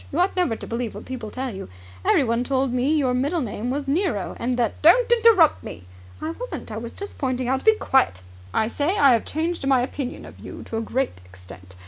"You ought never to believe what people tell you. Everyone told me your middle name was Nero, and that. .." "Don't interrupt me!" "I wasn't. I was just pointing out ..." "Be quiet! I say I have changed my opinion of you to a great extent.